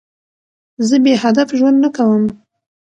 زه بېهدف ژوند نه کوم.